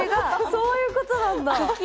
そういうことなんだ。